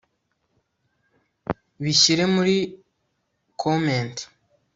bishyire muri comment